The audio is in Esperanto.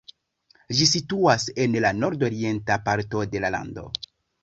Ĝi situas en la nordorienta parto de la lando.